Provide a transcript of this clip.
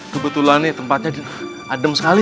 kebetulan nih tempatnya adem sekali